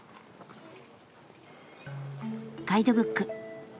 ガイドブック。